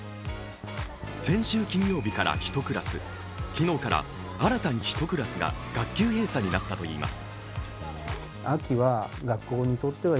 先週金曜日から１クラス、昨日から新たに１クラスが学級閉鎖になったといいます。